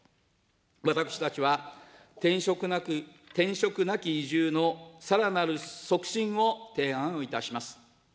私たちは転職なき移住のさらなる促進を提案いたします。